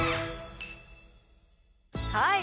はい。